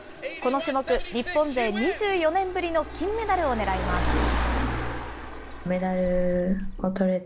この種目、日本勢２４年ぶりの金メダルを狙います。